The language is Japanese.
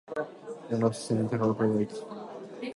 山手線、高田馬場駅